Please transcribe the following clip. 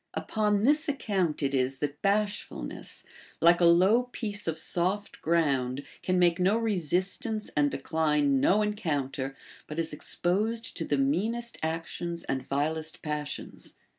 Upon this account it is that bashfulncss, like a low piece of soft ground, can make no resistance and decline no encounter, but is exposed to the meanest actions and vilest passions.